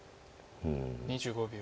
２５秒。